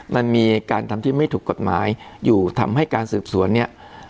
มันมีการทำที่ไม่ถูกกฎหมายอยู่ทำให้การสืบสวนเนี่ย